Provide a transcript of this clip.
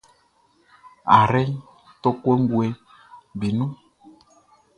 Ayrɛʼn tɔ kɔnguɛʼm be nun.